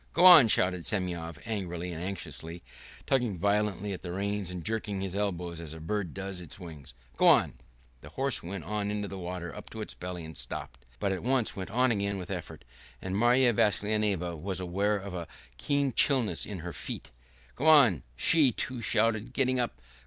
"Go on!" shouted Semyon angrily and anxiously, tugging violently at the reins and jerking his elbows as a bird does its wings. "Go on!" The horse went on into the water up to his belly and stopped, but at once went on again with an effort, and Marya Vassilyevna was aware of a keen chilliness in her feet. "Go on!" she, too, shouted, getting up.